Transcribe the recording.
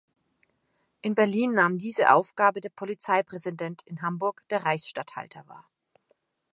In Berlin nahm diese Aufgabe der Polizeipräsident, in Hamburg der Reichsstatthalter wahr.